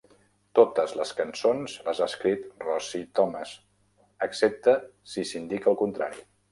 Totes les cançons les ha escrit Rosie Thomas, excepte si s"indica el contrari.